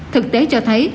thực tế cho thấy